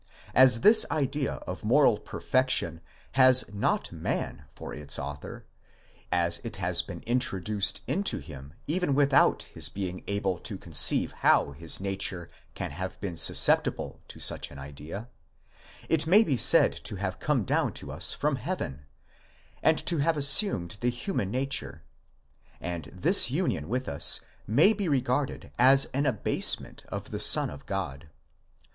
As this idea of moral per fection has not man for its author, as it has been introduced into him even without his being able to conceive how his nature can have been susceptible of such an idea, it may be said to have come down to us from heaven, and to have assumed the human nature, and this union with us may be regarded as an abasement of the Son of God.